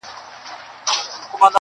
دوې درې ورځي کراري وه هر څه ښه وه-